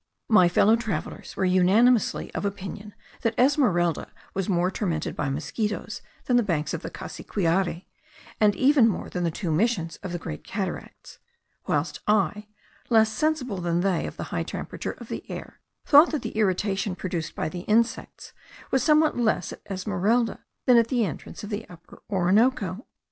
My fellow travellers were unanimously of opinion that Esmeralda was more tormented by mosquitos than the banks of the Cassiquiare, and even more than the two missions of the Great Cataracts; whilst I, less sensible than they of the high temperature of the air, thought that the irritation produced by the insects was somewhat less at Esmeralda than at the entrance of the Upper Orinoco.